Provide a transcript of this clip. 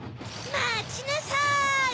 まちなさい！